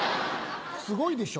すごいでしょ。